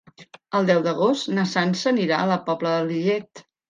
El deu d'agost na Sança anirà a la Pobla de Lillet.